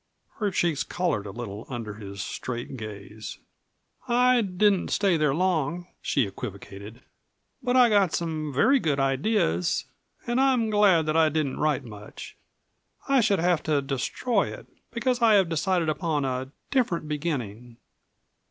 Her cheeks colored a little under his straight gaze. "I didn't stay there long," she equivocated. "But I got some very good ideas, and I am glad that I didn't write much. I should have had to destroy it, because I have decided upon a different beginning.